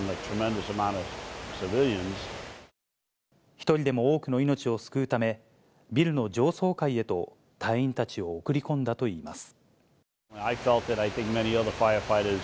一人でも多くの命を救うため、ビルの上層階へと隊員たちを送り込んだといいます。